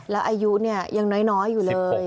แล้วอายุเนี่ยยังน้อยอยู่เลย